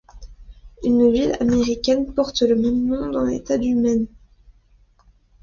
Une ville américaine porte le même nom dans l'État du Maine.